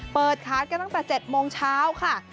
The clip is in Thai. เปิดค้าตั้งแต่๗โมงเช้าค่ะ